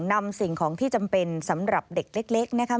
นำสิ่งของที่จำเป็นสำหรับเด็กเล็กนะครับ